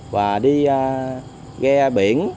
và đi ghe biển